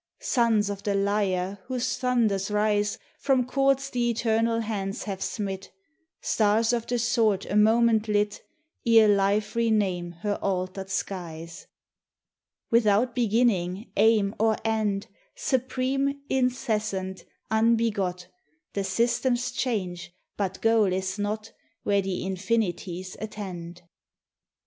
Suns of the Lyre whose thunders rise From chords the eternal Hands have smit! Stars of the Sword a moment lit Ere Life re name her altered skies! 61 THE TESTIMONY OF THE SUNS. Without beginning, aim or end; Supreme, incessant, unbegot; The systems change, but goal is not, Where the Infinities attend.